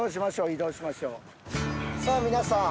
さぁ皆さん。